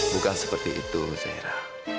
bukan seperti itu zaira